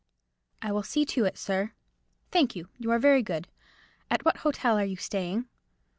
"I will see to it, sir." "Thank you; you are very good. At what hotel are you staying?"